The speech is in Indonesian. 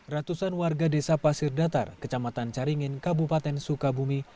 ratusan warga desa pasir datar kecamatan caringin kabupaten sukabumi